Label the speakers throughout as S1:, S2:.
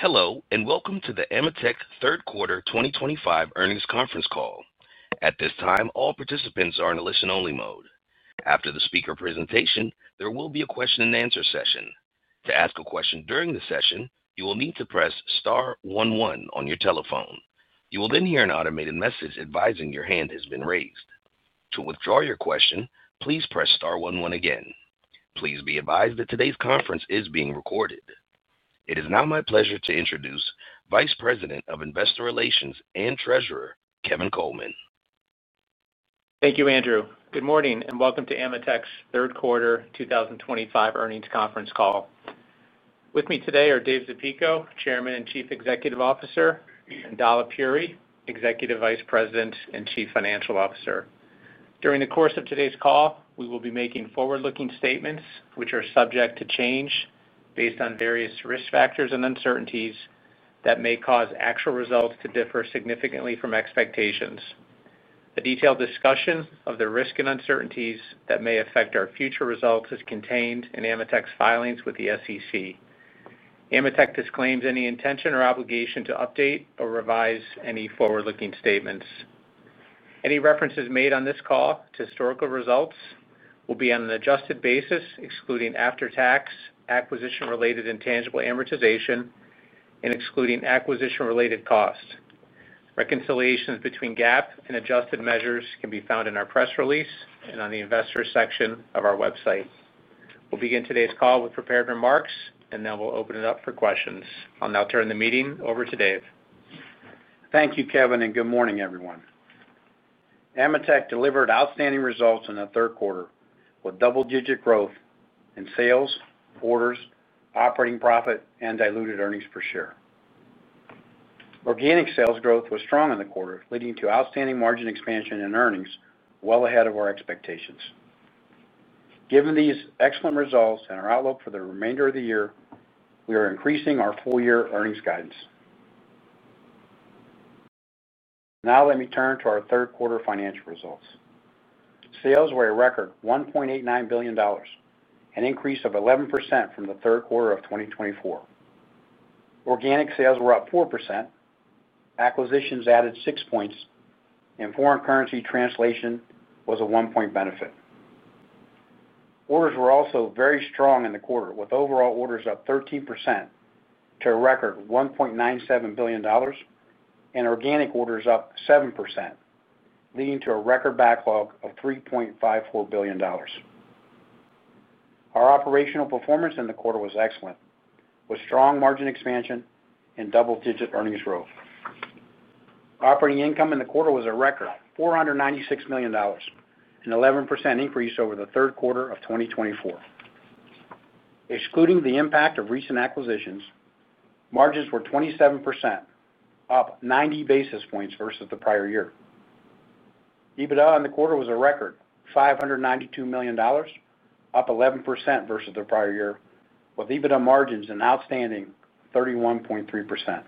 S1: Hello and welcome to the AMETEK third quarter 2025 earnings conference call. At this time, all participants are in a listen-only mode. After the speaker presentation, there will be a question-and-answer session. To ask a question during the session, you will need to press star one one on your telephone. You will then hear an automated message advising your hand has been raised. To withdraw your question, please press star one one again. Please be advised that today's conference is being recorded. It is now my pleasure to introduce Vice President of Investor Relations and Treasurer, Kevin Coleman.
S2: Thank you, Andrew. Good morning and welcome to AMETEK's third quarter 2025 earnings conference call. With me today are David Zapico, Chairman and Chief Executive Officer, and Dalip Puri, Executive Vice President and Chief Financial Officer. During the course of today's call we will be making forward-looking statements which are subject to change based on various risk factors and uncertainties that may cause actual results to differ significantly from expectations. A detailed discussion of the risks and uncertainties that may affect our future results is contained in AMETEK's filings with the SEC. AMETEK disclaims any intention or obligation to update or revise any forward-looking statements. Any references made on this call to historical results will be on an adjusted basis, excluding after-tax acquisition-related intangible amortization and excluding acquisition-related costs.
S3: Reconciliations between GAAP and adjusted measures can be found in our press release and on the Investors section of our website. We'll begin today's call with prepared remarks and then we'll open it up for questions. I'll now turn the meeting over to David. Thank you, Kevin, and good morning everyone. AMETEK delivered outstanding results in the third quarter with double-digit growth in sales, orders, operating profit, and diluted earnings per share. Organic sales growth was strong in the quarter, leading to outstanding margin expansion and earnings well ahead of our expectations. Given these excellent results and our outlook for the remainder of the year, we are increasing our full-year earnings guidance. Now let me turn to our third quarter financial results. Sales were a record $1.89 billion, an increase of 11% from the third quarter of 2024. Organic sales were up 4%, acquisitions added 6 points, and foreign currency translation was a 1 point benefit. Orders were also very strong in the quarter, with overall orders up 13% to a record $1.97 billion and organic orders up 7%, leading to a record backlog of $3.54 billion. Our operational performance in the quarter was excellent, with strong margin expansion, double-digit earnings growth, and operating income in the quarter was a record $496 million, an 11% increase over the third quarter of 2024. Excluding the impact of recent acquisitions, margins were 27%, up 90 basis points versus the prior year. EBITDA in the quarter was a record $592 million, up 11% versus the prior year, with EBITDA margins an outstanding 31.3%.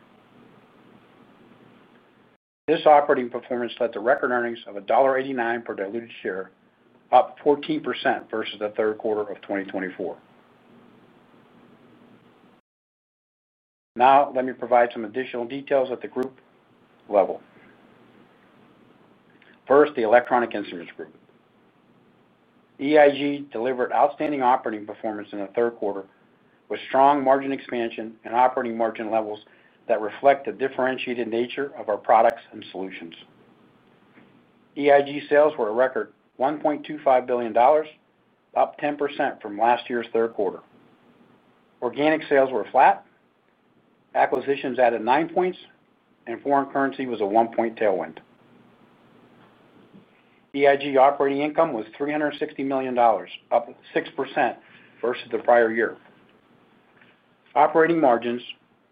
S3: This operating performance led to record earnings of $1.89 per diluted share, up 14% versus the third quarter of 2024. Now let me provide some additional details at the group level. First, the Electronic Instruments Group (EIG) delivered outstanding operating performance in the third quarter with strong margin expansion and operating margin levels that reflect the differentiated nature of our products and solutions. EIG sales were a record $1.25 billion, up 10% from last year's third quarter. Organic sales were flat, acquisitions added 9 points, and foreign currency was a 1 point tailwind. EIG operating income was $360 million, up 6% versus the prior year. Operating margins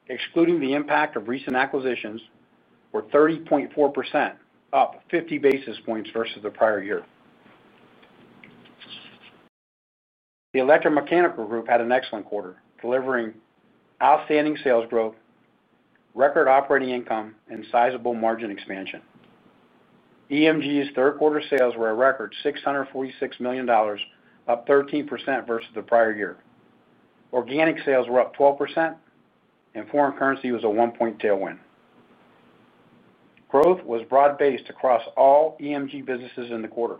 S3: excluding the impact of recent acquisitions were 30.4%, up 50 basis points versus the prior year. The Electromechanical Group had an excellent quarter delivering outstanding sales growth, record operating income, and sizable margin expansion. EMG's third quarter sales were a record $646 million, up 13% versus the prior year. Organic sales were up 12%, and foreign currency was a 1 point tailwind. Growth was broad based across all EMG businesses in the quarter.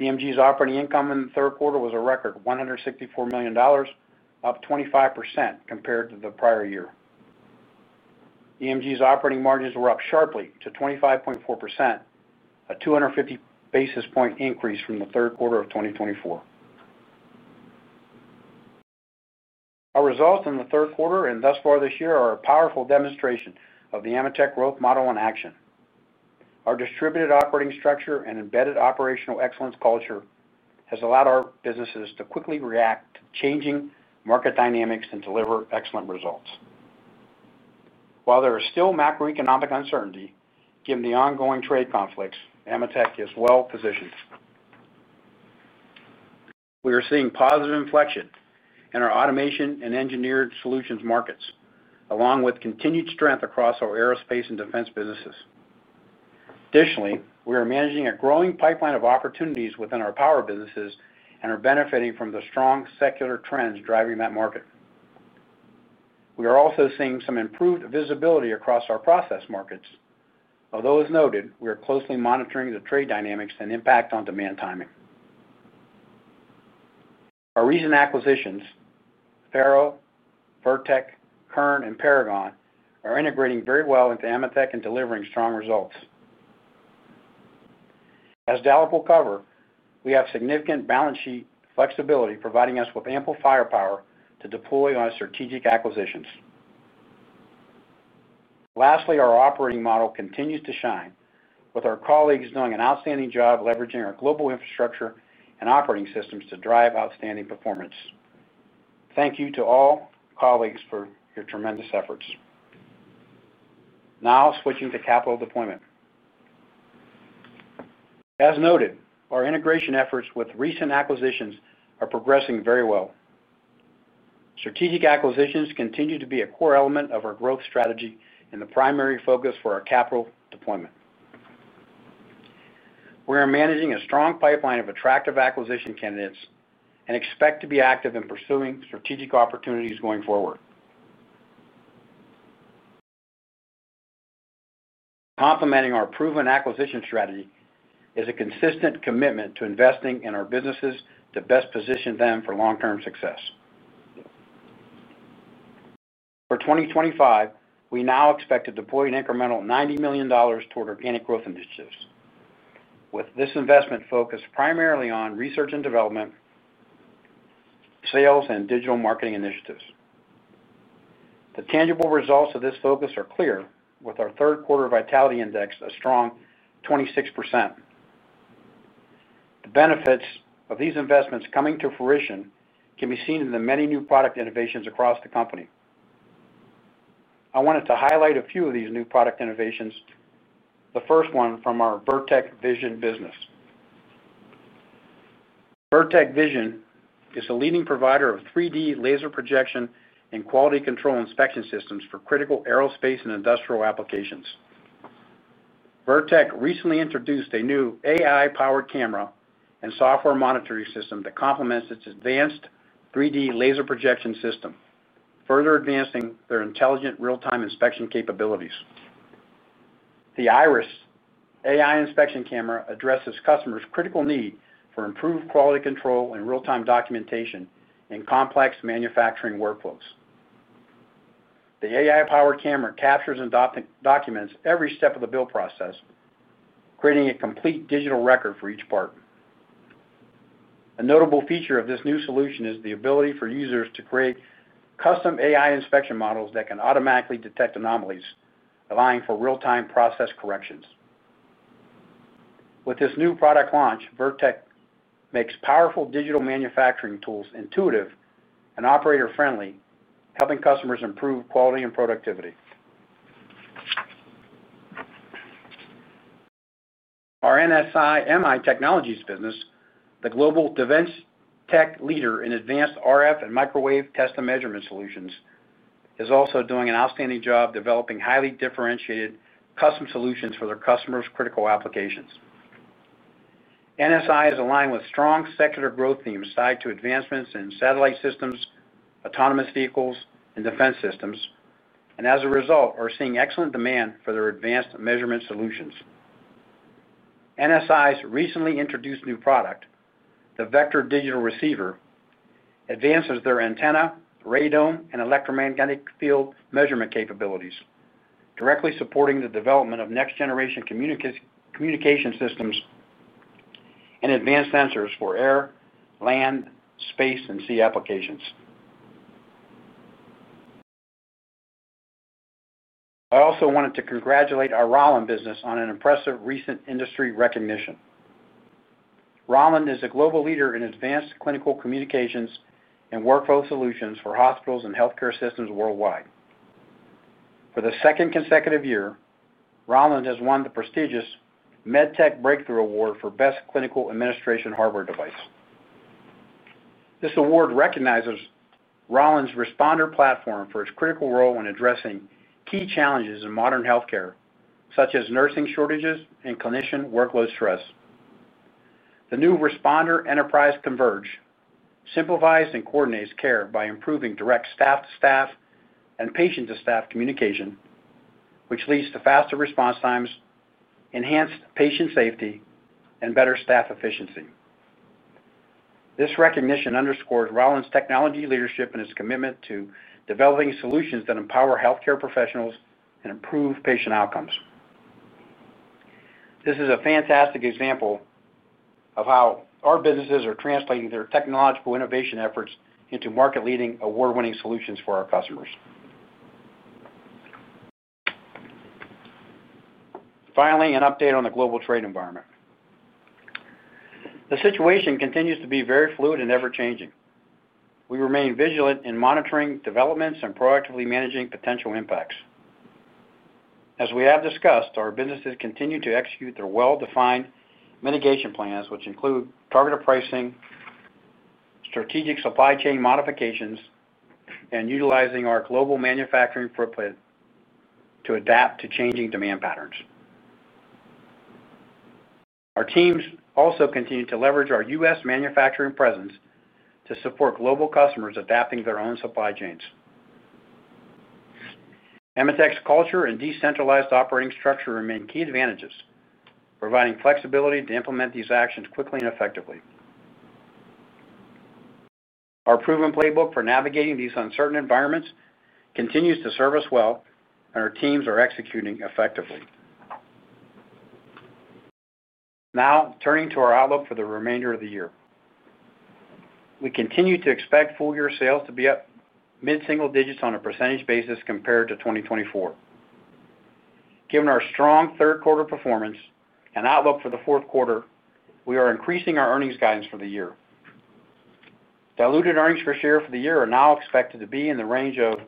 S3: EMG's operating income in the third quarter was a record $164 million, up 25% compared to the prior year. EMG's operating margins were up sharply to 25.4%, a 250 basis point increase from the third quarter of 2024. Our results in the third quarter and thus far this year are a powerful demonstration of the AMETEK growth model in action. Our distributed operating structure and embedded operational excellence culture has allowed our businesses to quickly react to changing market dynamics and deliver excellent results. While there is still macroeconomic uncertainty given the ongoing trade conflicts, AMETEK is well positioned. We are seeing positive inflection in our automation and engineered solutions markets along with continued strength across our Aerospace and Defense businesses. Additionally, we are managing a growing pipeline of opportunities within our power businesses and are benefiting from the strong secular trends driving that market. We are also seeing some improved visibility across our process markets, although as noted we are closely monitoring the trade dynamics and impact on demand timing. Our recent acquisitions FARO, Virtek, Kern, and Paragon are integrating very well into AMETEK and delivering strong results as Dalip will cover. We have significant balance sheet flexibility, providing us with ample firepower to deploy on strategic acquisitions. Lastly, our operating model continues to shine, with our colleagues doing an outstanding job leveraging our global infrastructure and operating systems to drive outstanding performance. Thank you to all colleagues for your tremendous efforts. Now switching to capital deployment. As noted, our integration efforts with recent acquisitions are progressing very well. Strategic acquisitions continue to be a core element of our growth strategy and the primary focus for our capital deployment. We are managing a strong pipeline of attractive acquisition candidates and expect to be active in pursuing strategic opportunities going forward. Complementing our proven acquisition strategy is a consistent commitment to investing in our businesses to best position them for long-term success. For 2025, we now expect to deploy an incremental $90 million toward organic growth initiatives, with this investment focused primarily on research and development, sales, and digital marketing initiatives. The tangible results of this focus are clear, with our third quarter vitality index a strong 26%. The benefits of these investments coming to fruition can be seen in the many new product innovations across the company. I wanted to highlight a few of these new product innovations. The first one from our Virtek Vision business. Virtek Vision is a leading provider of 3D laser projection and quality control inspection systems for critical aerospace and industrial applications. Virtek recently introduced a new AI-powered camera and software monitoring system that complements its advanced 3D laser projection system, further advancing the intelligent real-time inspection capabilities. The IRIS AI Inspection Camera addresses customers' critical need for improved quality control and real-time documentation in complex manufacturing workflows. The AI-powered camera captures and documents every step of the build process, creating a complete digital record for each part. A notable feature of this new solution is the ability for users to create custom AI inspection models that can automatically detect anomalies, allowing for real-time process corrections. With this new product launch, Virtek makes powerful digital manufacturing tools intuitive and operator-friendly, helping customers improve quality and productivity. Our NSI-MI Technologies business, the global defense tech leader in advanced RF and microwave test and measurement solutions, is also doing an outstanding job developing highly differentiated custom solutions for their customers. Critical applications, NSI is aligned with strong secular growth themes tied to advancements in satellite systems, autonomous vehicles, and defense systems, and as a result, are seeing excellent demand for their advanced measurement solutions. NSI's recently introduced new product, the Vector Digital Receiver, advances their Antenna, Radome, and Electromagnetic Field Measurement capabilities, directly supporting the development of next generation communication systems and advanced sensors for air, land, space, and sea applications. I also wanted to congratulate our Rauland business on an impressive recent industry recognition. Rauland is a global leader in advanced clinical communications and workflow solutions for hospitals and healthcare systems worldwide. For the second consecutive year, Rauland has won the prestigious MedTech Breakthrough Award for Best Clinical Administration Hardware Device. This award recognizes Rauland's Responder Platform for its critical role in addressing key challenges in modern healthcare such as nursing shortages and clinician workload stress. The new Responder Enterprise Converge simplifies and coordinates care by improving direct staff-to-staff and patient-to-staff communication, which leads to faster response times, enhanced patient safety, and better staff efficiency. This recognition underscores Rauland's technology leadership and its commitment to developing solutions that empower healthcare professionals and improve patient outcomes. This is a fantastic example of how our businesses are translating their technological innovation efforts into market-leading, award-winning solutions for our customers. Finally, an update on the global trade environment. The situation continues to be very fluid and ever-changing. We remain vigilant in monitoring developments and proactively managing potential impacts. As we have discussed, our businesses continue to execute their well-defined mitigation plans, which include targeted pricing, strategic supply chain modifications, and utilizing our global manufacturing footprint to adapt to changing demand patterns. Our teams also continue to leverage our U.S. manufacturing presence to support global customers adapting their own supply chains. AMETEK's culture and decentralized operating structure remain key advantages, providing flexibility to implement these actions quickly and effectively. Our proven playbook for navigating these uncertain environments continues to serve us well, and our teams are executing effectively now. Turning to our outlook for the remainder of the year, we continue to expect full year sales to be up mid single digits on a percentage basis compared to 2024. Given our strong third quarter performance and outlook for the fourth quarter, we are increasing our earnings guidance for the year. Diluted earnings per share for the year are now expected to be in the range of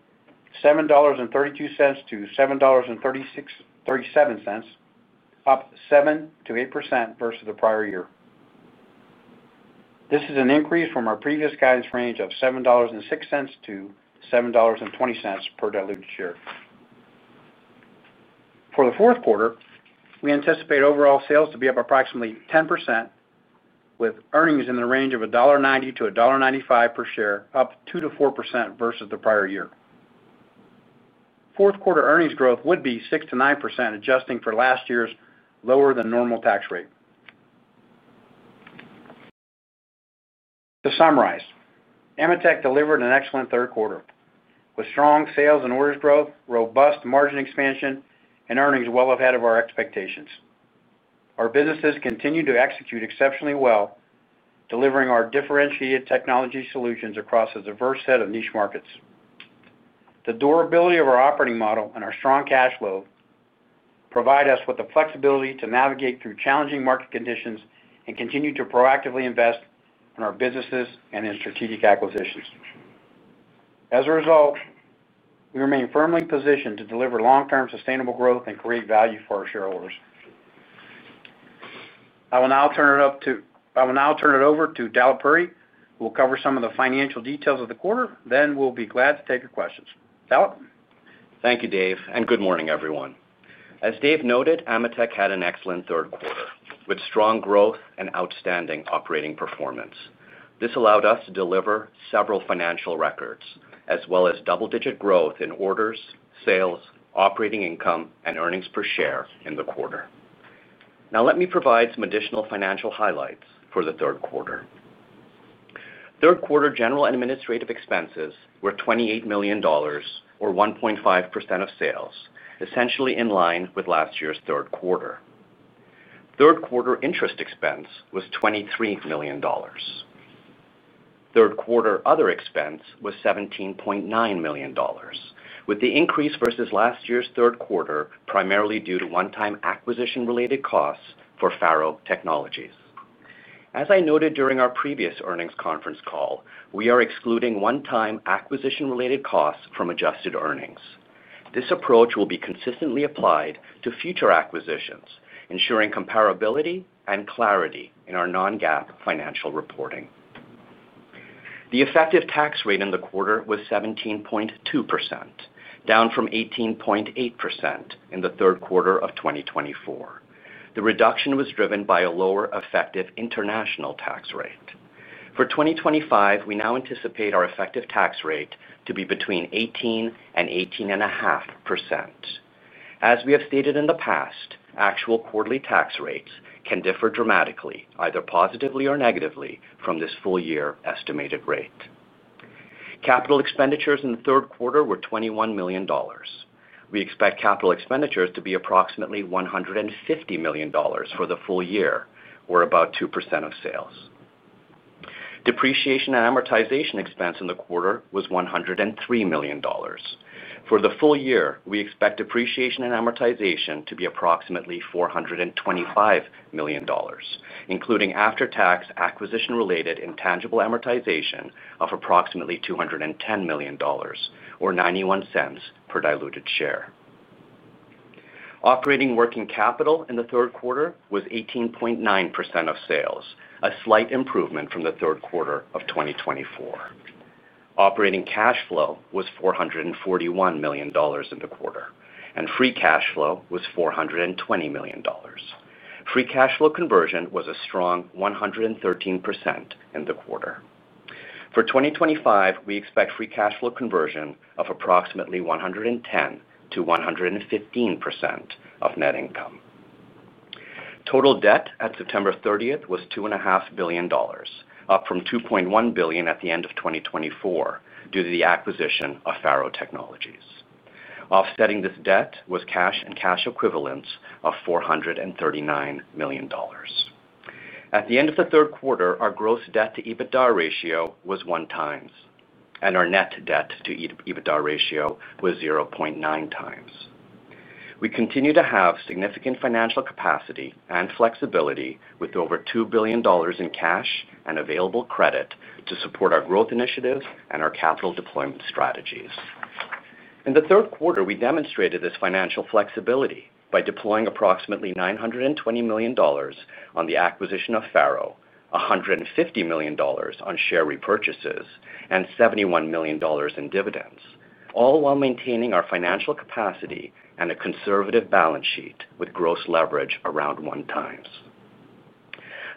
S3: $7.32-$7.37, up 7%-8% versus the prior year. This is an increase from our previous guidance range of $7.06-$7.20 per diluted share. For the fourth quarter, we anticipate overall sales to be up approximately 10% with earnings in the range of $1.90-$1.95 per share, up 2%-4% versus the prior year. Fourth quarter earnings growth would be 6%-9% adjusting for last year's lower than normal tax rate. To summarize, AMETEK delivered an excellent third quarter with strong sales and orders growth, robust margin expansion, and earnings well ahead of our expectations. Our businesses continue to execute exceptionally well, delivering our differentiated technology solutions across a diverse set of niche markets. The durability of our operating model and our strong cash flow provide us with the flexibility to navigate through challenging market conditions and continue to proactively invest in our businesses and in strategic acquisitions. As a result, we remain firmly positioned to deliver long term sustainable growth and create value for our shareholders. I will now turn it over to Dalip Puri, who will cover some of the financial details of the quarter. Then we'll be glad to take your questions. Dalip?
S4: Thank you Dave, and good morning everyone. As Dave noted, AMETEK had an excellent third quarter with strong growth and outstanding operating performance. This allowed us to deliver several financial records as well as double-digit growth in orders, sales, operating income, and earnings per share in the quarter. Now let me provide some additional financial highlights for the third quarter. Third quarter general and administrative expenses were $28 million or 1.5% of sales, essentially in line with last year's third quarter. Third quarter interest expense was $23 million. Third quarter other expense was $17.9 million, with the increase versus last year's third quarter primarily due to One-Time Acquisition related costs for FARO Technologies. As I noted during our previous earnings conference call, we are excluding onetime acquisition related costs from adjusted earnings. This approach will be consistently applied to future acquisitions, ensuring comparability and clarity in our non-GAAP financial reporting. The effective tax rate in the quarter was 17.2%, down from 18.8% in the third quarter of 2024. The reduction was driven by a lower effective international tax rate for 2025. We now anticipate our effective tax rate to be between 18% and 18.5%. As we have stated in the past, actual quarterly tax rates can differ dramatically, either positively or negatively, from this full year estimated rate. Capital Expenditures in the third quarter were $21 million. We expect Capital Expenditures to be approximately $150 million for the full year, or about 2% of sales. Depreciation and amortization expense in the quarter was $103 million. For the full year, we expect depreciation and amortization to be approximately $425 million, including after-tax acquisition related intangible amortization of approximately $210 million or $0.91 per diluted share. Operating working capital in the third quarter was 18.9% of sales, a slight improvement from the third quarter of 2024. Operating cash flow was $441 million in the quarter and free cash flow was $420 million. Free cash flow conversion was a strong 113% in the quarter. For 2025, we expect free cash flow conversion of approximately 110% to 115% of net income. Total debt at September 30th was $2.5 billion, up from $2.1 billion at the end of 2024 due to the acquisition of FARO Technologies. Offsetting this debt was cash and cash equivalents of $439 million. At the end of the third quarter, our gross debt to EBITDA ratio was 1 times and our net debt to EBITDA ratio was 0.9 times. We continue to have significant financial capacity and flexibility with over $2 billion in cash and available credit to support our growth initiatives and our capital deployment strategies. In the third quarter, we demonstrated this financial flexibility by deploying approximately $920 million on the acquisition of FARO, $150 million on share repurchases, and $71 million in dividends, all while maintaining our financial capacity and a conservative balance sheet. With gross leverage around one times,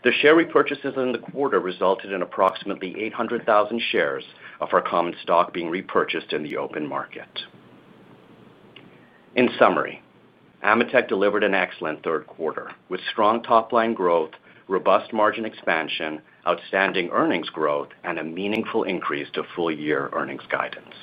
S4: the share repurchases in the quarter resulted in approximately 800,000 shares of our common stock being repurchased in the open market. In summary, AMETEK delivered an excellent third quarter with strong top line growth, robust margin expansion, outstanding earnings growth, and a meaningful increase to full year earnings guidance.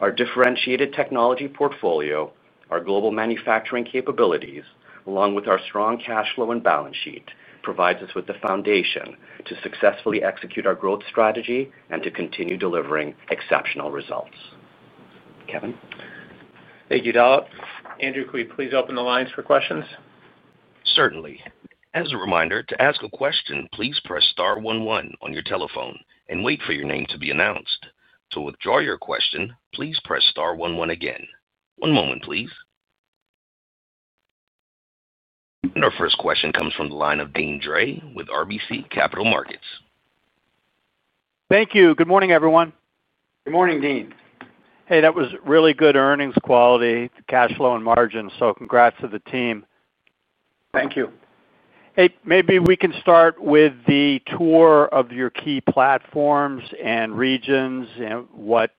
S4: Our differentiated technology portfolio, our global manufacturing capabilities, along with our strong cash flow and balance sheet, provides us with the foundation to successfully execute our growth strategy and to continue delivering exceptional results. Kevin?
S2: Thank you, Dalip. Andrew, could we please open the lines for questions?
S1: Certainly. As a reminder to ask a question, please press star one one on your telephone and wait for your name to be announced. To withdraw your question, please press star one one again. One moment, please. Our first question comes from the line of Deane Dray with RBC Capital Markets.
S5: Thank you. Good morning, everyone.
S3: Good morning, Deane.
S5: Hey, that was really good. Earnings quality, cash flow, and margin. Congrats to the team.
S3: Thank you.
S5: Maybe we can start with the tour of your key platforms and regions and what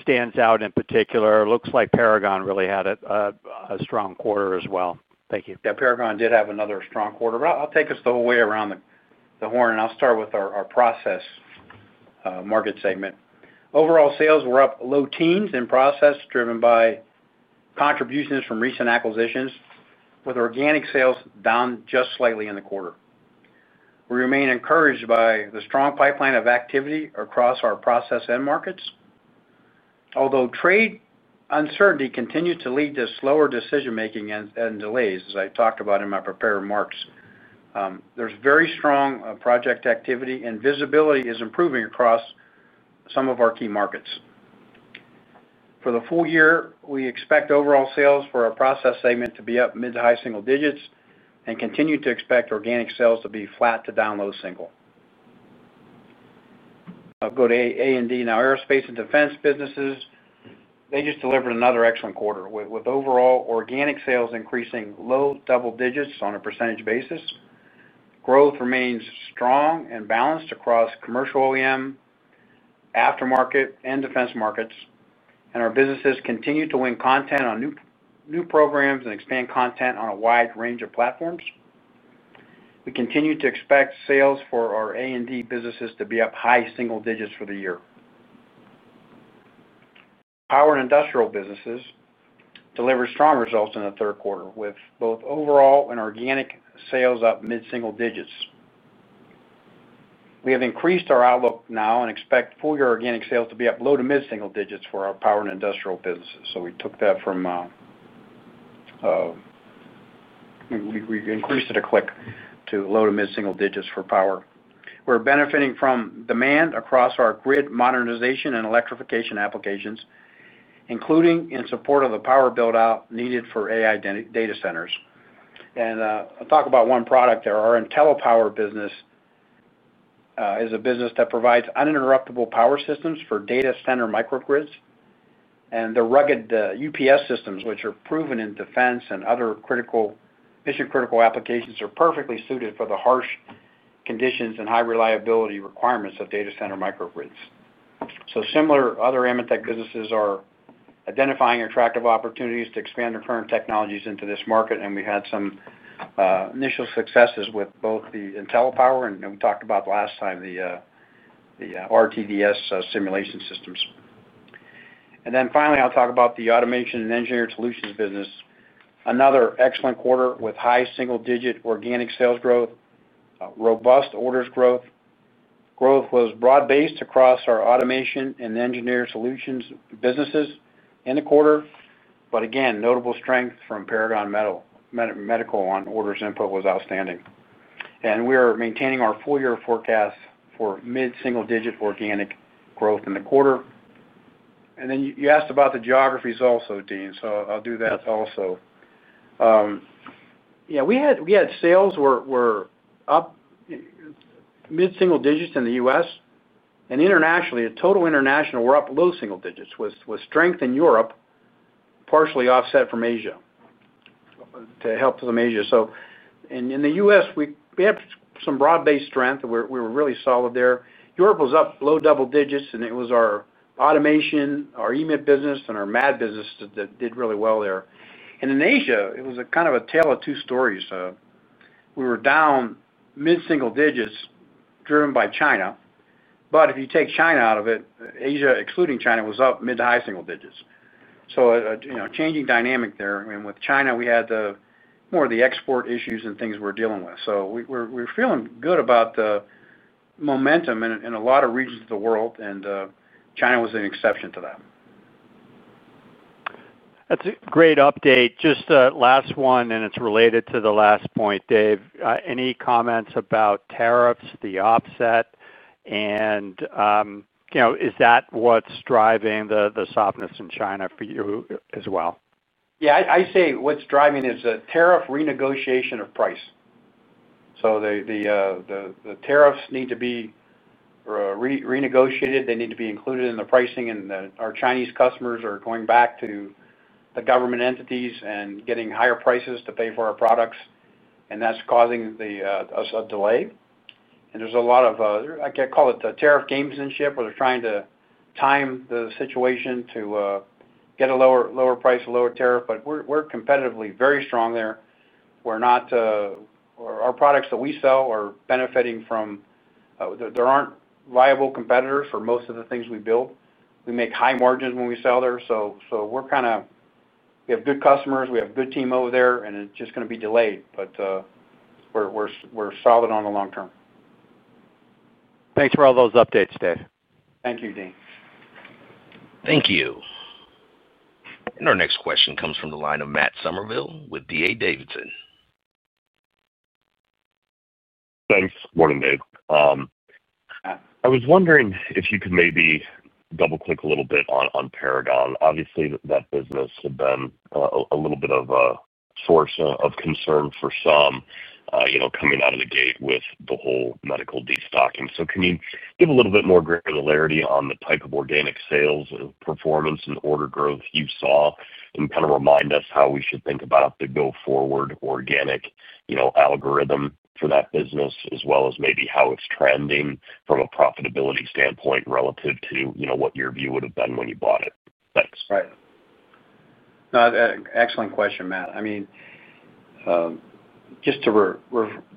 S5: stands out in particular. Looks like Paragon really had a strong quarter as well. Thank you.
S3: Paragon did have another strong quarter, but I'll take us the whole way around the horn. I'll start with our process market segment. Overall sales were up low teens in process, driven by contributions from recent acquisitions. With organic sales down just slightly in the quarter, we remain encouraged by the strong pipeline of activity across our process end markets. Although trade uncertainty continues to lead to slower decision making and delays. As I talked about in my prepared remarks, there's very strong project activity and visibility is improving across some of our key markets for the full year. We expect overall sales for our process segment to be up mid to high single digits and continue to expect organic sales to be flat to down low single. Go to A&D now. Aerospace and Defense businesses just delivered another excellent quarter with overall organic sales increasing low double digits on a percentage basis. Growth remains strong and balanced across commercial OEM, aftermarket, and defense markets, and our businesses continue to win content on new programs and expand content on a wide range of platforms. We continue to expect sales for our A&D businesses to be up high single digits for the year. Power and industrial businesses delivered strong results in the third quarter with both overall and organic sales up mid single digits. We have increased our outlook now and expect full year organic sales to be up low to mid single digits for our power and industrial businesses. We increased it a click to low to mid single digits for power. We're benefiting from demand across our grid modernization and electrification applications, including in support of the power build out needed for AI data centers. I'll talk about one product there. Our IntelliPower business is a business that provides uninterruptible power systems for data center microgrids, and the rugged UPS systems, which are proven in defense and other mission critical applications, are perfectly suited for the harsh conditions and high reliability requirements of data center microgrids. Similar to other AMETEK businesses, we are identifying attractive opportunities to expand our current technologies into this market, and we had some initial successes with both the Intellipower and, as we talked about last time, the RTDS simulation systems. Finally, I'll talk about the automation and engineered solutions business. Another excellent quarter with high single-digit organic sales growth. Robust orders growth was broad-based across our automation and engineered solutions businesses in the quarter, with notable strength from Paragon Medical. Orders input was outstanding, and we are maintaining our full-year forecast for mid single-digit organic growth in the quarter. You asked about the geographies also, Deane, so I'll do that also. We had sales up mid single digits in the U.S. and internationally. Total international was up low single digits, with strength in Europe partially offset from Asia. In the U.S., we have some broad-based strength. We were really solid there. Europe was up low double digits, and it was our automation, our EMIP business, and our MAD business that did really well there. In Asia, it was a kind of a tale of two stories. We were down mid single digits, driven by China. If you take China out of it, Asia excluding China was up mid to high single digits. A changing dynamic there. With China, we had more of the export issues and things we're dealing with. We're feeling good about the momentum in a lot of regions of the world, and China was an exception to that.
S5: That's a great update. Just last one, and it's related to the last point. Dave, any comments about tariffs, the offset, and is that what's driving the softness in China for you as well?
S3: Yeah, I'd say what's driving it is a tariff renegotiation of price. The tariffs need to be renegotiated, they need to be included in the pricing, and our Chinese customers are going back to the government entities and getting higher prices to pay for our products. That's causing us a delay, and there's a lot of, I call it tariff gamesmanship, where they're trying to time the situation to get a lower price, lower tariff. We're competitively very strong there. Our products that we sell are benefiting from that. There aren't viable competitors for most of the things we build. We make high margins when we sell there. We have good customers, we have a good team over there, and it's just going to be delayed. We are solid on the long term.
S5: Thanks for all those updates, Dave.
S3: Thank you, Deane.
S1: Thank you. Our next question comes from the line of Matt Summerville with D.A. Davidson.
S6: Thanks. Morning Dave. I was wondering if you could maybe double click a little bit on Paragon. Obviously that business had been a little bit of a source of concern for some coming out of the gate with the whole medical destocking. Can you give a little bit more granularity on the type of organic sales performance and order growth you saw and kind of remind us how we should think about the go forward organic algorithm for that business as well as maybe how it's trending from a profitability standpoint relative to what your view would have been when you bought it. Thanks.
S3: Right. Excellent question, Matt. Just to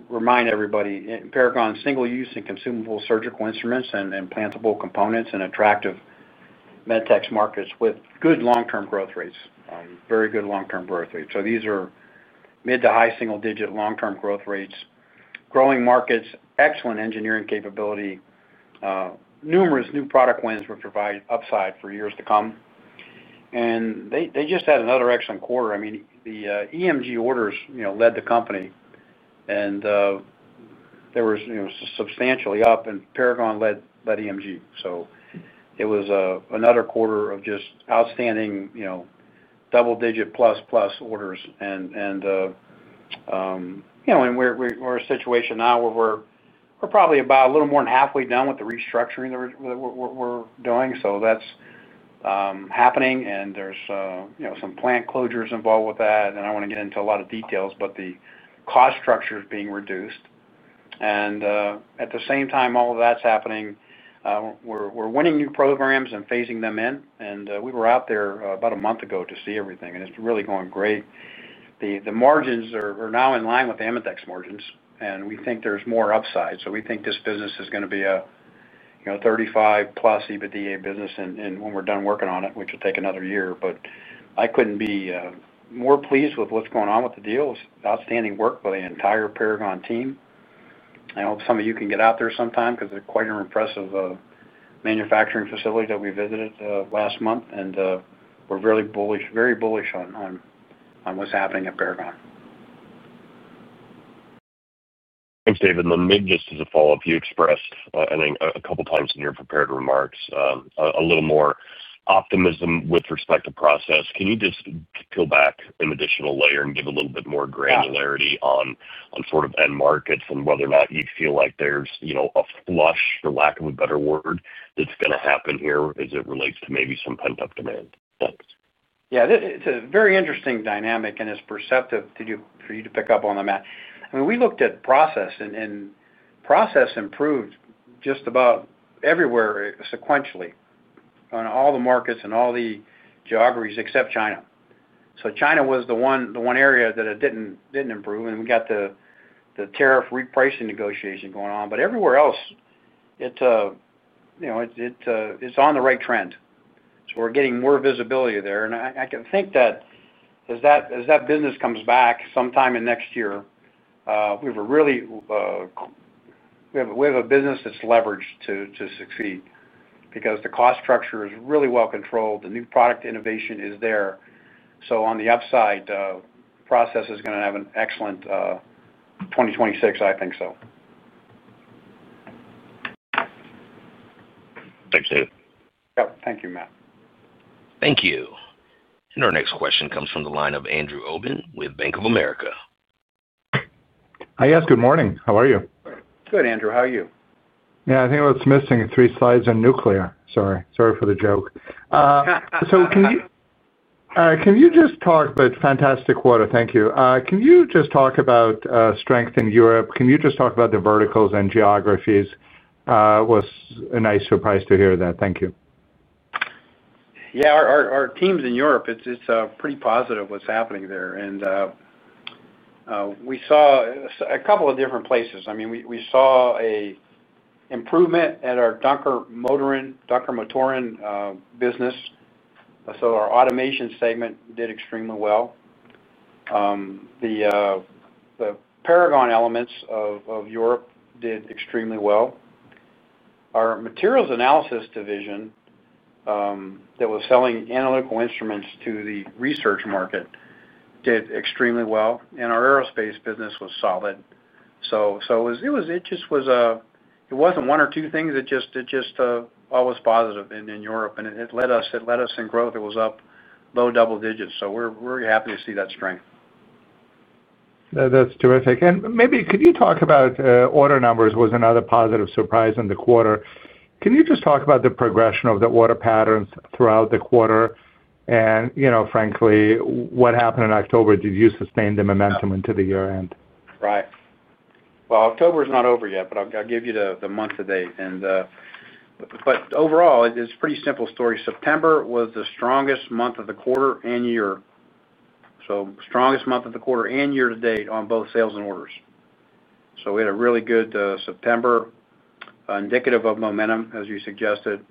S3: remind everybody, Paragon single use and consumable surgical instruments and implantable components in attractive medtech markets with good long term growth rates. Very good long term growth rates. These are mid to high single digit long term growth rates, growing markets, excellent engineering capability, numerous new product wins, would provide upside for years to come and they just had another excellent quarter. The EMG orders led the company and there was substantially up and Paragon led EMG. It was another quarter of just outstanding double digit plus plus orders. We're in a situation now where we're probably about a little more than halfway done with the restructuring that we're doing. That's happening and there's some plant closures involved with that. I do not want to get into a lot of details but the cost structure is being reduced and at the same time all of that's happening. We're winning new programs and phasing them in and we were out there about a month ago to see everything and it's really going great. The margins are now in line with AMETEK's margins and we think there's more upside. We think this business is going to be a 35%+ EBITDA business and when we're done working on it, which will take another year, but I couldn't be more pleased with what's going on with the deal. Outstanding work by the entire Paragon team. I hope some of you can get out there sometime because it's quite an impressive manufacturing facility that we visited last month and we're very bullish on what's happening at Paragon.
S6: Thanks, David. Maybe just as a follow up, you expressed a couple times in your prepared remarks a little more optimism with respect to process. Can you just peel back an additional layer and give a little bit more granularity on sort of end markets and whether or not you feel like there's a flush, for lack of a better word, that's going to happen here as it relates to maybe some pent up demand?
S3: Yeah, it's a very interesting dynamic and it's perceptive for you to pick up on that, Matt. I mean, we looked at process and process improved just about everywhere sequentially on all the markets and all the geographies except China. China was the one area that it didn't improve and we got the tariff repricing negotiation going on, but everywhere else it's on the right trend. We're getting more visibility there and I can think that as that business comes back sometime in next year, we have a business that's leveraged to succeed because the cost structure is really well controlled, the new product innovation is there. On the upside, process is going to have an excellent 2026, I think so.
S6: Thanks, David.
S3: Thank you, Matt.
S1: Thank you. Our next question comes from the line of Andrew Obin with Bank of America.
S7: Hi. Yes, good morning. How are you?
S3: Good, Andrew, how are you?
S7: Yeah, I think what's missing is three slides on nuclear. Sorry, sorry for the joke. Can you just talk? Fantastic quarter. Thank you. Can you just talk about strength in Europe? Can you just talk about the verticals and geographies? Was a nice surprise to hear that. Thank you.
S3: Yeah, our teams in Europe, it's pretty positive what's happening there. We saw a couple of different places. I mean, we saw an improvement at our Dunkermotoren business. Our automation segment did extremely well. The Paragon elements of Europe did extremely well. Our Materials Analysis division that was selling analytical instruments to the research market did extremely well. Our aerospace business was solid. It wasn't 1-2 things. It all was positive in Europe and it led us in growth. It was up low double digits. We're happy to see that strength.
S7: That's terrific. Maybe could you talk about order numbers? Was another positive surprise in the quarter. Can you just talk about the progression of the order patterns throughout the quarter and, you know, frankly, what happened in October? Did you sustain the momentum into the year end?
S3: October is not over yet, but I'll give you the month to date. Overall, it's a pretty simple story. September was the strongest month of the quarter and year. Strongest month of the quarter and year to date on both sales and orders. We had a really good September, indicative of momentum as you suggested.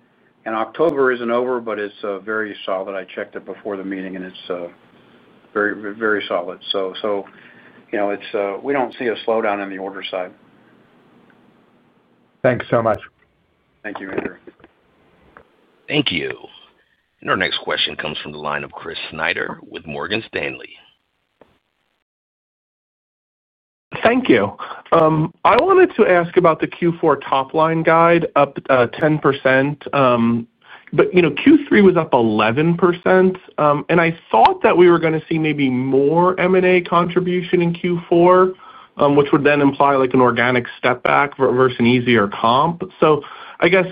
S3: October isn't over but it's very solid. I checked it before the meeting and it's very, very solid. We don't see a slowdown in the order side.
S7: Thanks so much.
S3: Thank you, Andrew.
S1: Thank you. Our next question comes from the line of Chris Snyder with Morgan Stanley.
S8: Thank you. I wanted to ask about the Q4 top line guide up 10% but you know, Q3 was up 11% and I thought that we were going to see maybe more M&A contribution in Q4 which would then imply like an organic step back versus an easier comp. I guess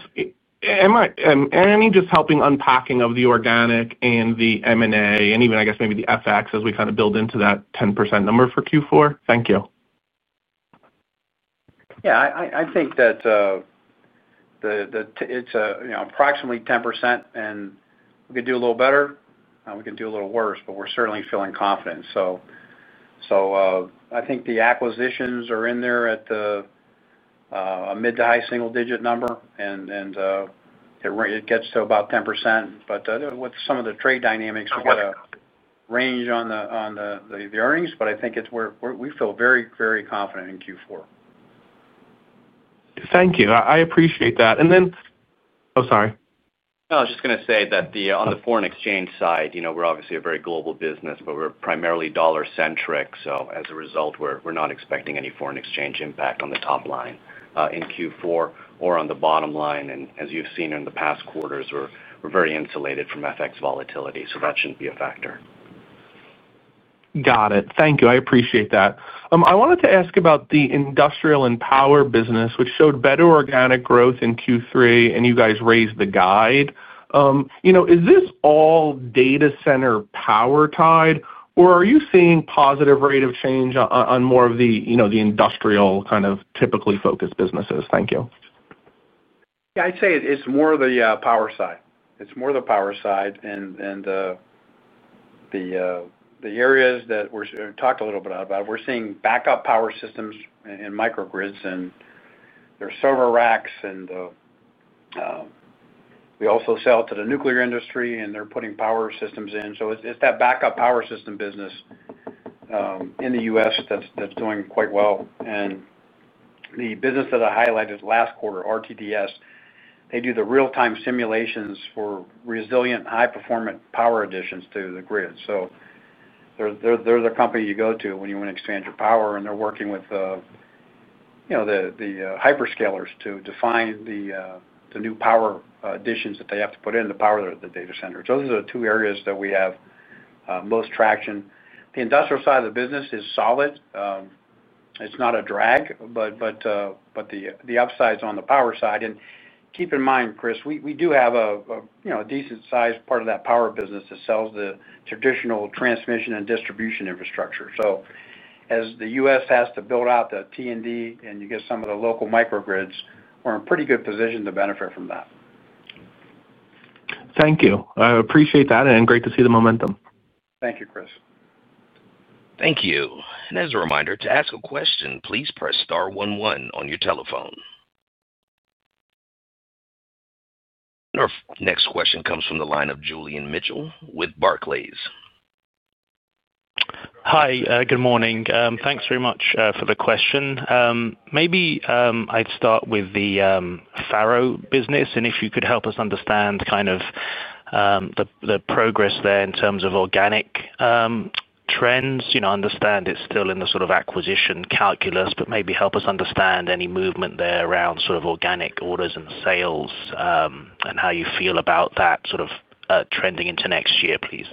S8: am I any just helping unpacking of the organic and the M&A and even I guess maybe the FX as we kind of build into that 10% number for Q4. Thank you.
S3: I think that it's approximately 10% and we could do a little better, we could do a little worse but we're certainly feeling confident. I think the acquisitions are in there at a mid to high single digit number and it gets to about 10% but with some of the trade dynamics we got a range on the earnings, but I think we feel very, very confident in Q4.
S8: Thank you, I appreciate that. Oh, sorry.
S4: I was just going to. On the foreign exchange side, we're obviously a very global business, but we're primarily dollar centric. As a result, we're not expecting any foreign exchange impact on the top line in Q4 or on the bottom line. As you've seen in the past quarters, we're very insulated from FX volatility, so that shouldn't be a factor.
S8: Got it. Thank you, I appreciate that. I wanted to ask about the industrial and power business, which showed better organic growth in Q3 and you guys raised the guide. Is this all data center power tied or are you seeing positive rate of change on more of the industrial kind, typically focused businesses? Thank you.
S3: Yeah, I'd say it's more the power side. It's more the power side. The areas that we talked a little bit about, we're seeing backup power systems and micro grids and there are server racks and we also sell to the nuclear industry and they're putting power systems in. It's that backup power system business in the U.S. that's doing quite well. The business that I highlighted last quarter, RTDS, they do the real time simulations for resilient high performance power additions to the grid. They're the company you go to when you want to expand your power and they're working with the hyperscalers to define the new power additions that they have to put in the power that data center. Those are the two areas that we have most traction. The industrial side of the business is solid, it's not a drag. The upside is on the power side and keep in mind, Chris, we do have a decent sized part of that power business that sells the traditional transmission and distribution infrastructure. As the U.S. has to build out the T&D and you get some of the local micro grids in a pretty good position to benefit from that.
S8: Thank you, I appreciate that and great to see the momentum.
S3: Thank you, Chris.
S1: Thank you. As a reminder, to ask a question, please press star one one on your telephone. Our next question comes from the line of Julian Mitchell with Barclays.
S9: Hi, good morning. Thanks very much for the question. Maybe I'd start with the FARO business, and if you could help us understand kind of the progress there in terms of organic trends. You know, I understand it's still in the sort of acquisition calculus, but maybe help us understand any movement there around sort of organic orders and sales and how you feel about that sort of trending into next year, please.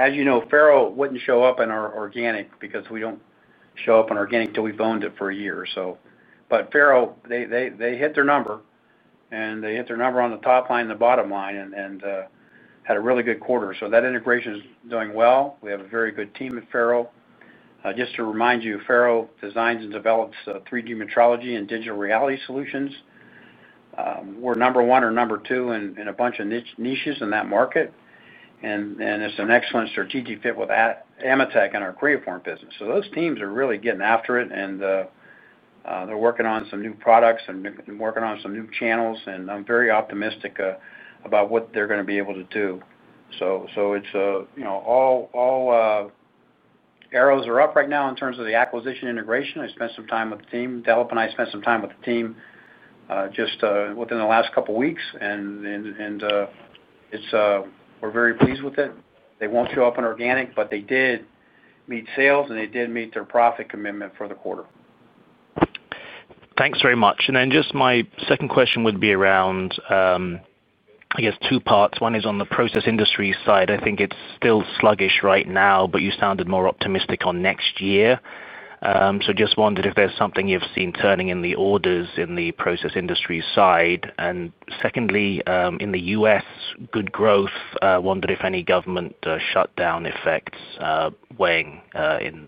S3: As you know, FARO wouldn't show up in our organic because we don't show up in organic till we've owned it for a year. FARO, they hit their number and they hit their number on the top line and the bottom line and had a really good quarter. That integration is doing well. We have a very good team at FARO. Just to remind you, FARO designs and develops 3D metrology and digital reality solutions. We're number one or number two in a bunch of niches in that market and it's an excellent strategic fit with AMETEK and our Creaform business. Those teams are really getting after it and they're working on some new products and working on some new channels and I'm very optimistic about what they're going to be able to do. All arrows are up right now in terms of the acquisition integration. I spent some time with the team. Dalip and I spent some time with the team just within the last couple weeks and we're very pleased with it. They won't show up in organic but they did meet sales and they did meet their profit commitment for the quarter.
S9: Thanks very much. My second question would be around, I guess, two parts. One is on the process industry side. I think it's still sluggish right now, but you sounded more optimistic on next year. I wondered if there's something you've seen turning in the orders in the process industry side, and secondly in the U.S., good growth. I wondered if any government shutdown effects weighing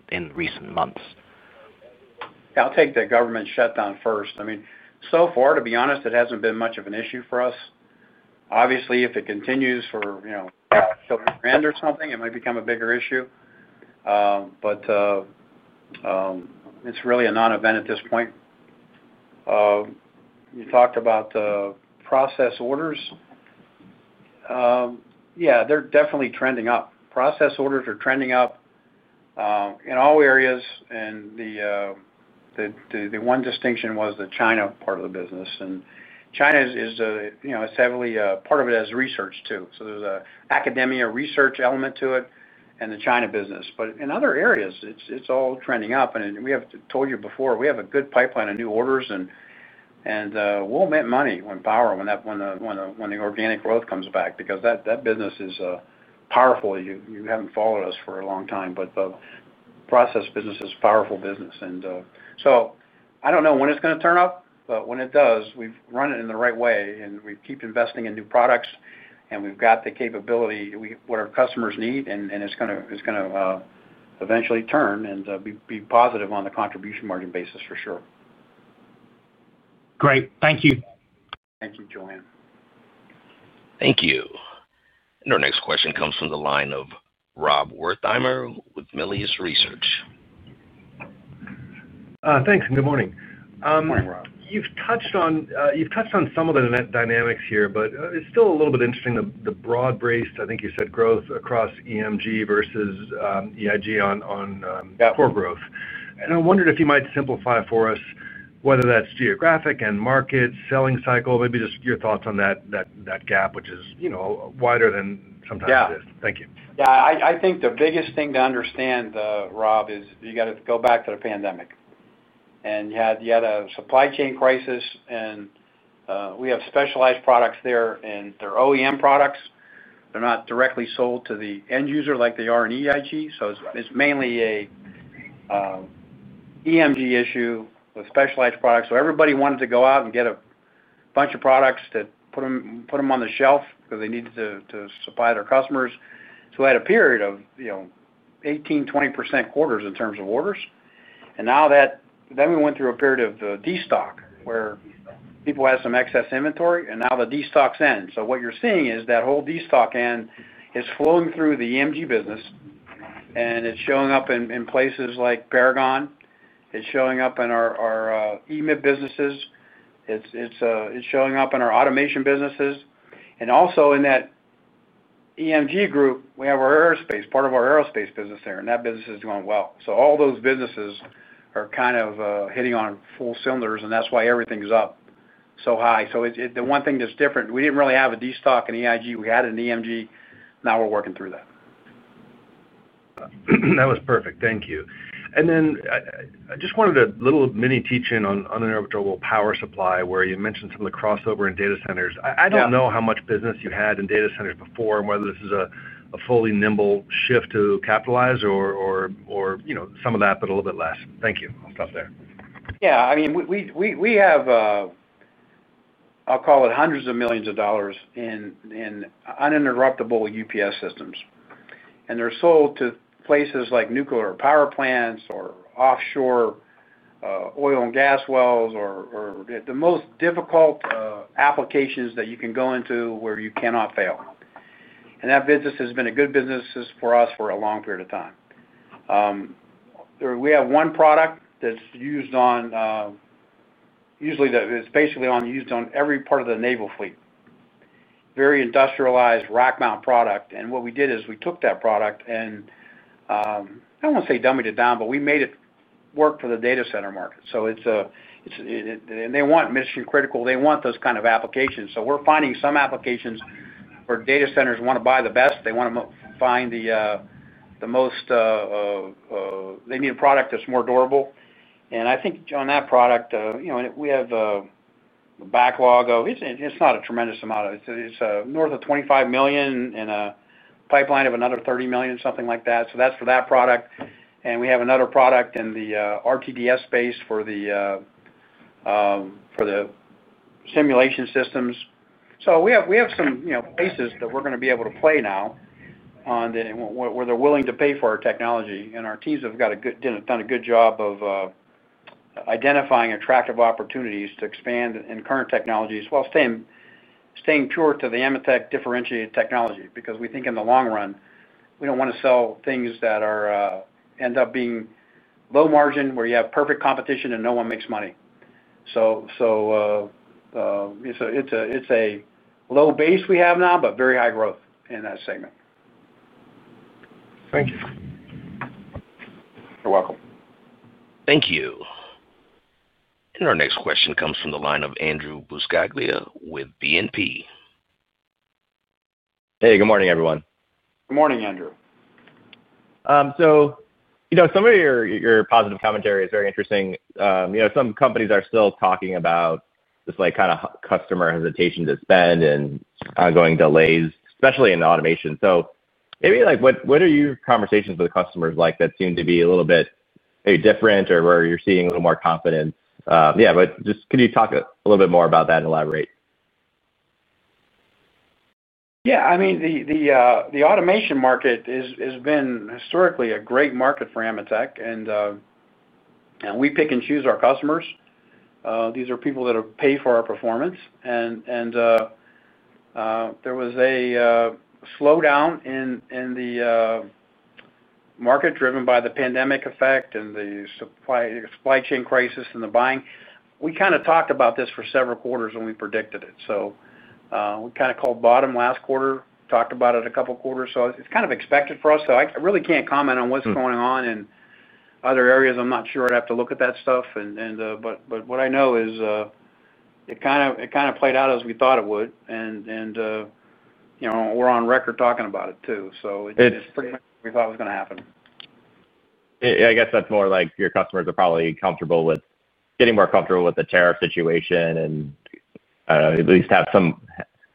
S9: in recent months?
S3: I'll take the government shutdown first. To be honest, it hasn't been much of an issue for us. Obviously, if it continues for, you know, or something, it might become a bigger issue, but it's really a non-event at this point. You talked about the process orders. Yeah, they're definitely trending up. Process orders are trending up in all areas, and the one distinction was the China part of the business, and China is heavily part of it as research too. There's an academia research element to it, the China business. In other areas, it's all trending up, and we have told you before, we have a good pipeline of new orders, and we'll make money when the organic growth comes back because that business is powerful. You haven't followed us for a long time, but the process business is a powerful business. I don't know when it's going to turn up, but when it does, we've run it in the right way, and we keep investing in new products, and we've got the capability, what our customers need, and it's going to eventually turn and be positive on the contribution margin basis for sure.
S9: Great, thank you.
S3: Thank you, Julian.
S1: Thank you. Our next question comes from the line of Rob Wertheimer with Melius Research.
S10: Thanks and good morning.
S3: Good morning. Rob.
S10: You've touched on some of the dynamics here, but it's still a little bit interesting. The broad based, I think you said, growth across EMG versus EIG on core growth. I wondered if you might simplify for us whether that's geographic and market selling cycle, maybe just your thoughts on that gap, which is wider than sometimes it is. Thank you.
S3: Yeah. I think the biggest thing to understand, Rob, is you gotta go back to the pandemic and you had a supply chain crisis and we have specialized products there and they're OEM products, they're not directly sold to the end user like they are in EIG. It's mainly an EMG issue with specialized products. Everybody wanted to go out and get a bunch of products and put them on the shelf because they needed to supply their customers. At a period of, you know, 18%-20% quarters in terms of orders and now that, then we went through a period of destock where people have some excess inventory and now the destock's end. What you're seeing is that whole destock end is flowing through the EMG business and it's showing up in places like Paragon Medical, it's showing up in our EMIP businesses, it's showing up in our automation businesses and also in that EMG group. We have our aerospace part of our aerospace business there and that business is going well. All those businesses are kind of hitting on full cylinders and that's why everything's up so high. It's the one thing that's different. We didn't really have a destock in EIG, we had an EMG. Now we're working through that.
S10: That was perfect. Thank you. I just wanted a little mini teaching on uninterruptible power supply where you mentioned some of the crossover in data centers. I don't know how much business you had in data centers before and whether this is a fully nimble shift to capitalize or some of that, but a little bit less. Thank you. I'll stop there.
S3: Yeah, I mean we have, I'll call it hundreds of millions of dollars in uninterruptible UPS systems. They're sold to places like nuclear power plants or offshore oil and gas wells or the most difficult applications that you can go into where you cannot fail. That business has been a good business for us for a long period of time. We have one product that's used on usually it's basically used on every part of the naval fleet, very industrialized rack mount product. What we did is we took that product and I don't want to say dummied it down, but we made it work for the data center market. They want mission critical, they want those kind of applications. We're finding some applications where data centers want to buy the best, they want to find the most. They need a product that's more durable. I think on that product we have a backlog of. It's not a tremendous amount. It's north of $25 million and a pipeline of another $30 million, something like that. That's for that product. We have another product in the RTDS space for the simulation systems. We have some places that we're going to be able to play now where they're willing to pay for our technology. Our teams have done a good job of identifying attractive opportunities to expand in current technologies while staying pure to the AMETEK differentiated technology. We think in the long run we don't want to sell things that end up being low margin where you have perfect competition and no one makes money. It's a low base we have now, but very high growth in that segment.
S10: Thank you.
S3: You're welcome.
S1: Thank you. Our next question comes from the line of Andrew Buscaglia with BNP.
S11: Hey, good morning everyone.
S3: Good morning, Andrew.
S11: You know, some of your positive ccommentary is very interesting. You know, some companies are still talking about this kind of customer hesitation to spend and ongoing delays, especially in automation. So, what are your conversations with the customers like that, seem to be a little bit different or where you're seeing a little more confidence. Yeah, can you talk a little bit more about that and elaborate?
S3: Yeah, I mean the automation market has been historically a great market for AMETEK and we pick and choose our customers. These are people that pay for our performance. There was a slowdown in the market driven by the pandemic effect and the supply chain crisis and the buying. We kind of talked about this for several quarters when we predicted it. We kind of called bottom last quarter, talked about it a couple quarters, so it's kind of expected for us. I really can't comment on what's going on in other areas. I'm not sure, I'd have to look at that stuff, but what I know is it kind of played out as we thought it would and you know, we're on record talking about it too. It's pretty much what we thought was going to happen.
S11: I guess that's more like your customers are probably comfortable with getting more comfortable with the tariff situation, and at least have some,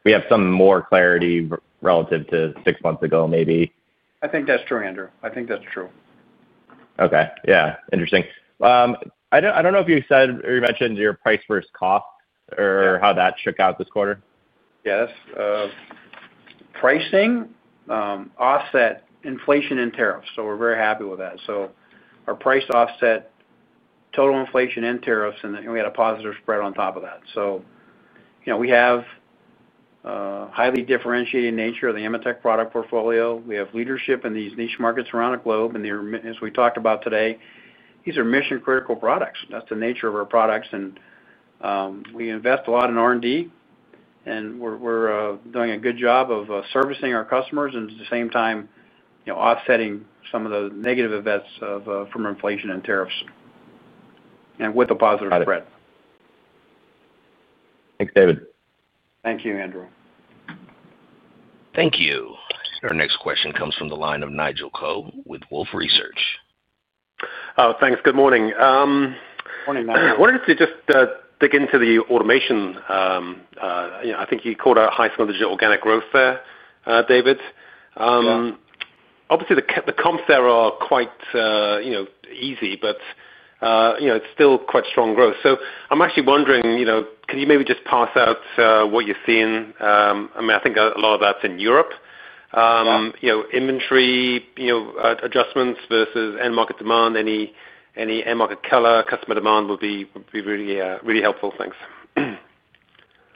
S11: we have some more clarity relative to six months ago maybe.
S3: I think that's true, Andrew. I think that's true.
S11: Okay. Yeah, interesting. I don't know if you said or you mentioned your price versus cost or how that shook out this quarter?
S3: Yes, pricing offset inflation and tariffs. We're very happy with that. Our price offset total inflation and tariffs, and we had a positive spread on top of that. We have highly differentiated nature of the AMETEK product portfolio. We have leadership in these niche markets around the globe, and as we talked about today, these are mission critical products. That's the nature of our products, and we invest a lot in R&D. We're doing a good job of servicing our customers and at the same time offsetting some of the negative events from inflation and tariffs with a positive spread.
S11: Thanks David.
S3: Thank you Andrew.
S1: Thank you. Our next question comes from the line of Nigel Edward Coe with Wolfe Research.
S12: Thanks. Good morning.
S3: Morning.
S12: I wanted to just dig into the automation. I think you called a high single digit organic growth there, David. Obviously, the comps there are quite easy, but it's still quite strong growth. I'm actually wondering, could you maybe just parse out what you're seeing? I mean, I think a lot of that's in Europe. Inventory adjustments versus end market demand. Any end market color, customer demand would be really helpful. Thanks.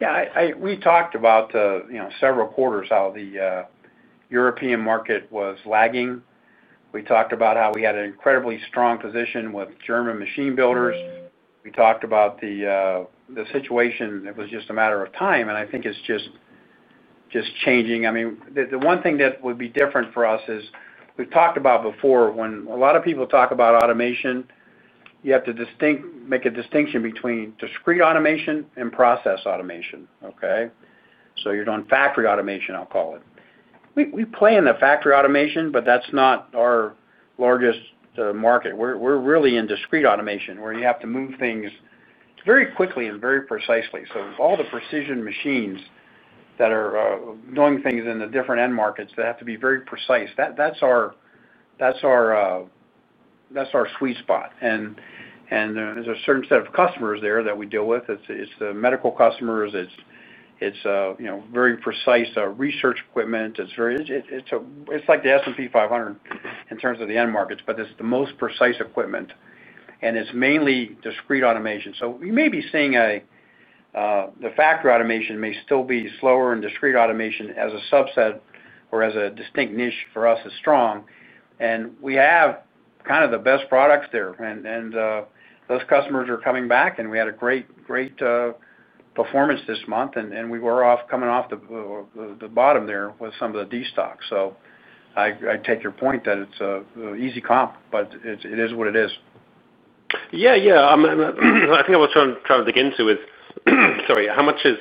S3: Yeah. We talked about several quarters how the European market was lagging. We talked about how we had an incredibly strong position with German machine builders. We talked about the situation. It was just a matter of time, and I think it's just changing. The one thing that would be different for us is we've talked about before when a lot of people talk about automation, you have to make a distinction between discrete automation and process automation. You're doing factory automation, I'll call it. We play in the factory automation, but that's not our largest market. We're really in discrete automation where you have to move things very quickly and very precisely. All the precision machines that are doing things in the different end markets that have to be very precise, that's our sweet spot. There's a certain set of customers there that we deal with. It's the medical customers. It's very precise research equipment. It's like the S&P 500 in terms of the end markets, but it's the most precise equipment, and it's mainly discrete automation. We may be seeing the factory automation may still be slower, and discrete automation as a subset or as a distinct niche for us is strong, and we have kind of the best products there, and those customers are coming back. We had a great, great performance this month, and we were coming off the bottom there with some of the destock. I take your point that it's easy comp, but it is what it is.
S12: Yeah, yeah. I think what I was trying to dig into is, sorry, how much is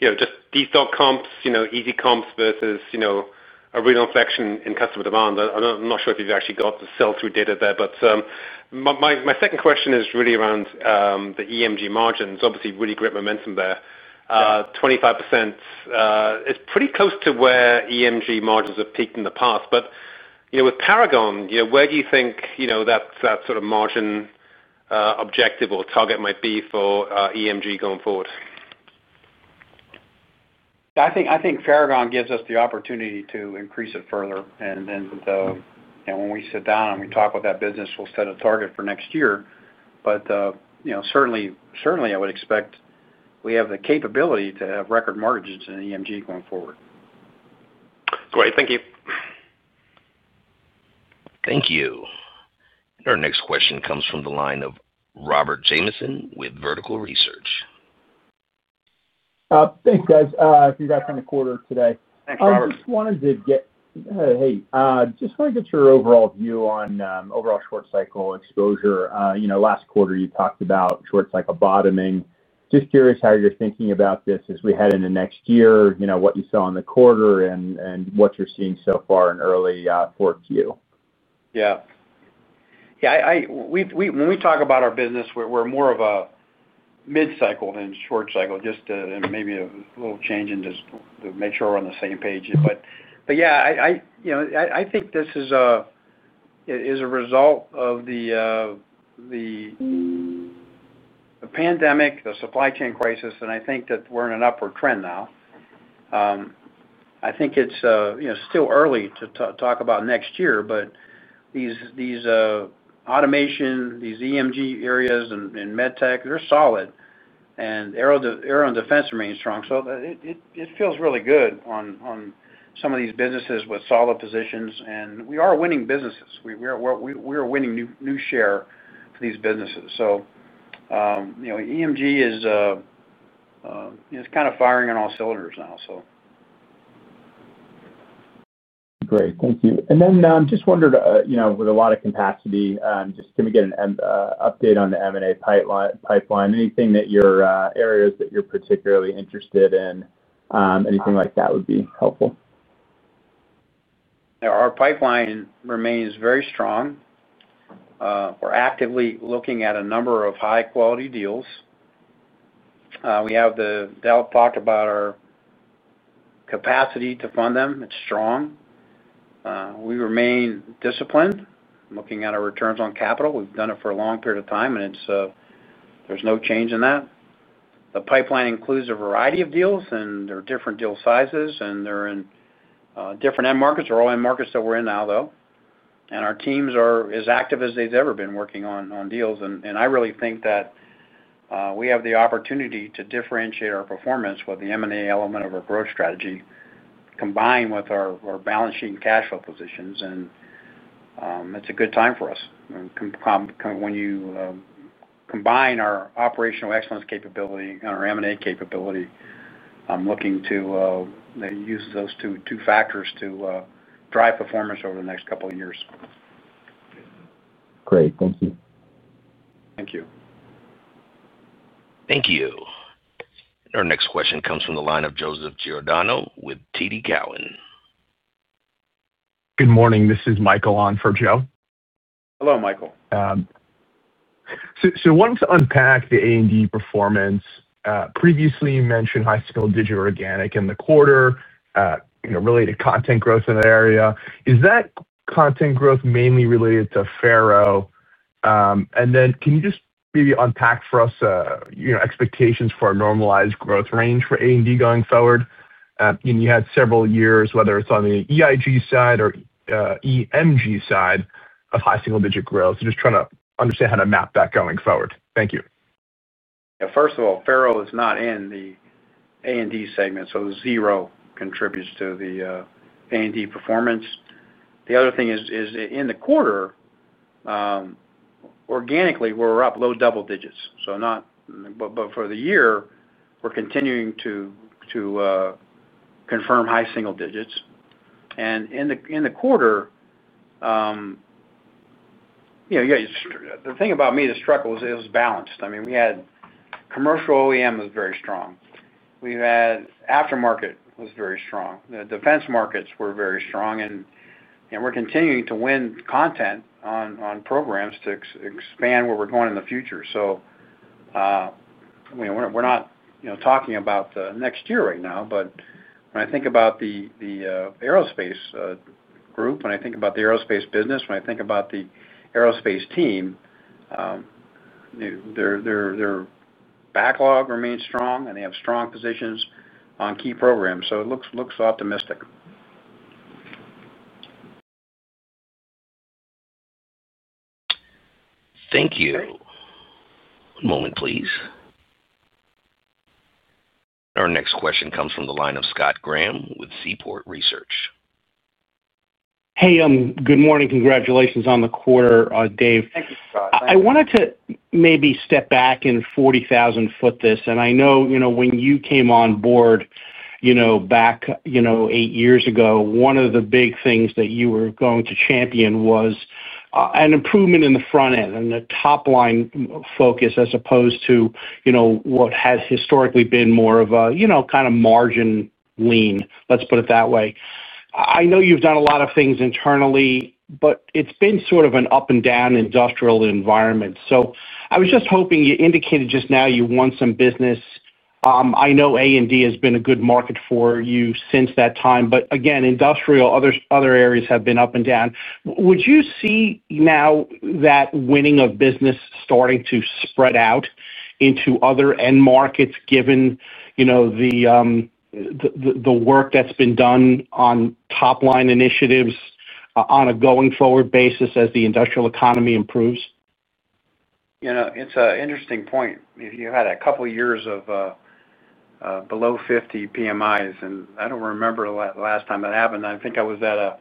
S12: just destock comps, easy comps versus a real inflection in customer demand? I'm not sure if you've actually got the sell-through data there, but my second question is really around the EMG margins. Obviously, really great momentum there. 25%. Pretty close to where EMG margins have peaked in the past. But, with Paragon, where do you think that sort of margin objective or target might be for EMG going forward?
S3: I think Paragon gives us the opportunity to increase it further. When we sit down and we talk with that business, we'll set a target for next year. Certainly, I would expect we have the capability to have record margins in EMG going forward.
S12: Great, thank you.
S1: Thank you. Our next question comes from the line of Robert Jamieson with Vertical Research.
S13: Thanks, guys. Congratulations today.
S3: Thanks, Robert.
S13: Wanted to get your overall view on overall short cycle experience. Last quarter you talked about short cycle bottoming. Just curious how you're thinking about this as we head into next year, what you saw in the quarter and what you're seeing so far in early 4Q?
S3: Yeah, when we talk about our business, we're more of a mid cycle than short cycle. Just maybe a little change and just to make sure we're on the same page. I think this is a result of the pandemic, the supply chain crisis, and I think that we're in an upward trend now. I think it's still early to talk about next year. These automation, these EMG areas and med tech, they're solid and air and defense remains strong. It feels really good on some of these businesses with solid positions and we are winning businesses, we are winning new share for these businesses. EMG is kind of firing on all cylinders now.
S13: Great, thank you. I just wondered with a lot of capacity, can we get an update on the M&A pipeline? Anything that your areas that you're particularly interested in, anything like that would be helpful.
S3: Our pipeline remains very strong. We're actively looking at a number of high quality deals. We have, as Dalip talked about, our capacity to fund them. It's strong. We remain disciplined looking at our returns on capital. We've done it for a long period of time and there's no change in that. The pipeline includes a variety of deals and there are different deal sizes and they're in different end markets, or all end markets that we're in now though. Our teams are as active as they've ever been working on deals. I really think that we have the opportunity to differentiate our performance with the M&A element of our growth strategy combined with our balance sheet and cash flow positions. It's a good time for us. When you combine our operational excellence capability and our M&A capability, I'm looking to use those two factors to drive performance over the next couple of years.
S13: Great, thank you.
S3: Thank you.
S1: Thank you. Our next question comes from the line of Joseph Giordano with TD Cowen.
S14: Good morning, this is Michael on for Joe.
S3: Hello Michael.
S14: I wanted to unpack the A&D performance. Previously you mentioned high scale digital organic in the quarter, related content growth in that area. Is that content growth mainly related to FARO? Can you maybe unpack for us expectations for a normalized growth range for A&D going forward? You had several years whether it's on the EIG side or EMG side high single-digit growth. Just trying to understand how to map that going forward. Thank you.
S3: First of all, FARO is not in the A&D segment, so zero contributes to the A&D performance. The other thing is in the quarter organically we're up low double digits. For the year we're continuing to confirm high single digits, and in the quarter the thing about me that struck was it was balanced. I mean we had commercial OEM was very strong, we had aftermarket was very strong, the defense markets were very strong. We're continuing to win content on product programs to expand where we're going in the future. We're not talking about next year right now. When I think about the aerospace group, when I think about the aerospace business, when I think about the aerospace team, their backlog remains strong and they have strong positions on key programs. It looks optimistic.
S1: Thank you. One moment, please. Our next question comes from the line of Scott Graham with Seaport Research.
S15: Hey, good morning. Congratulations on the quarter, Dave. I wanted to maybe step back and 40,000 ft this and I know when you came on board, you know, back, you know, eight years ago, one of the big things that you were going to champion was an improvement in the front end and the top line focus as opposed to what has historically been more of a kind of margin lean, let's put it that way. I know you've done a lot of things internally, but it's been sort of an up and down industrial environment. I was just hoping you indicated just now you won some business. I know A&D has been a good market for you since that time. Again, industrial, other areas have been up and down. Would you see now that winning of business starting to spread out into other end markets given the work that's been done on top line initiatives on a going forward basis as the industrial economy improves?
S3: It's an interesting point. If you had a couple years of below 50 PMIs, and I don't remember the last time that happened. I think I was at an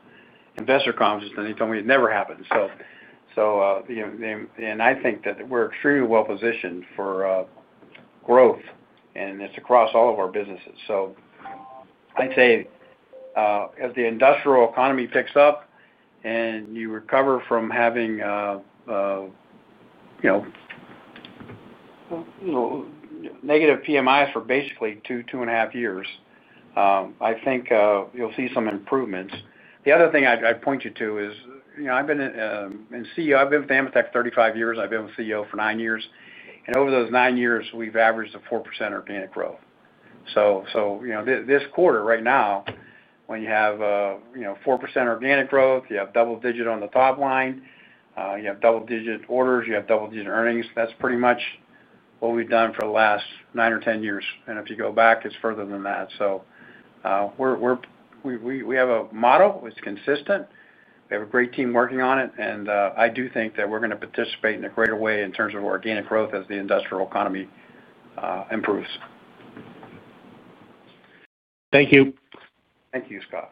S3: investor conference and they told me it never happened. I think that we're extremely well positioned for growth and it's across all of our businesses. I'd say as the industrial economy picks up and you recover from having negative PMIs for basically 2-2.5 years, I think you'll see some improvements. The other thing I'd point you to is I've been CEO, I've been with AMETEK 35 years. I've been CEO for nine years. Over those nine years we've averaged a 4% organic growth. This quarter, right now, when you have 4% organic growth, you have double digit on the top line, you have double digit orders, you have double digit earnings. That's pretty much what we've done for the last 9-10 years. If you go back, it's further than that. We have a model, it's consistent, we have a great team working on it. I do think that we're going to participate in a greater way in terms of organic growth as the industrial economy improves.
S15: Thank you.
S3: Thank you, Scott.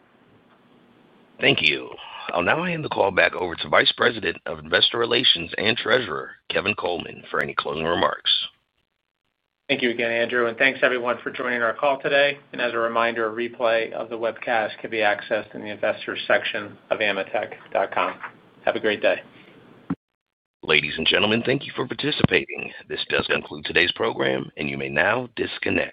S1: Thank you. I'll now hand the call back over to Vice President of Investor Relations and Treasurer Kevin Coleman for any closing remarks.
S2: Thank you again, Andrew. Thank you, everyone, for joining our call today. As a reminder, a replay of the webcast can be accessed in the Investors section of ametek.com. Have a great day.
S1: Ladies and gentlemen, thank you for participating. This does conclude today's program, and you may now disconnect.